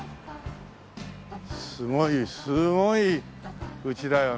すごいすごい家だよね